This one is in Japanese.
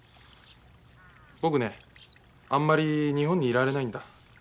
僕ねあんまり日本にいられないんだ。